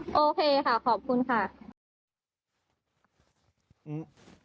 อย่าพึ่งกล้างไปมึงจะตกชีวิตด้วย